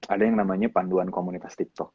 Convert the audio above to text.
ada yang namanya panduan komunitas tiktok